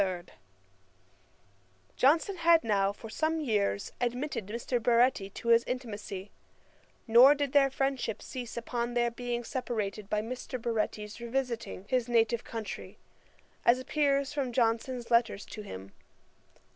[*] Johnson had now for some years admitted Mr. Baretti to his intimacy; nor did their friendship cease upon their being separated by Baretti's revisiting his native country, as appears from Johnson's letters to him.